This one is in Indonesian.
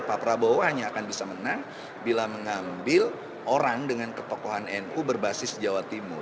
pak prabowo hanya akan bisa menang bila mengambil orang dengan ketokohan nu berbasis jawa timur